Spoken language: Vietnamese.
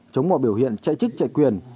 chống mọi biểu hiện chạy chức chạy quyền